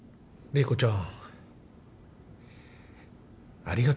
・麗子ちゃん？